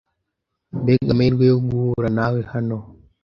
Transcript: Mbega amahirwe yo guhura nawe hano!